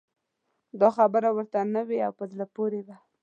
دا خبره ورته نوې او په زړه پورې وه.